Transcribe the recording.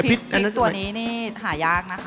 พริกตัวนี้นี่หายากนะคะ